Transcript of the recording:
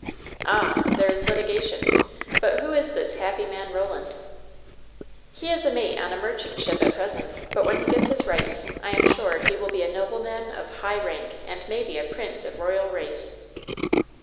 "Ah! there is litigation? But who is this happy man Eoland?" "He is a mate on a merchantman at present. But when he gets his rights, I am sure he will be a nobleman of high rank, and maybe a prince of royal race."